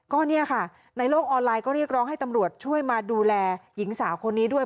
ก็เนี่ยค่ะในโลกออนไลน์ก็เรียกร้องให้ตำรวจช่วยมาดูแลหญิงสาวคนนี้ด้วย